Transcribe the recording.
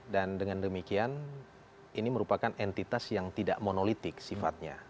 dan dengan demikian ini merupakan entitas yang tidak monolitik sifatnya